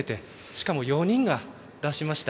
しかも、４人が出しました。